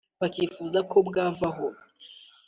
bakifuza ko bwavaho